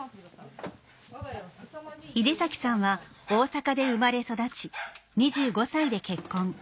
井出崎さんは大阪で生まれ育ち２５歳で結婚。